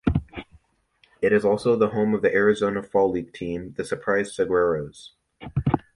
It is also the home of the Arizona Fall League team, the Surprise Saguaros.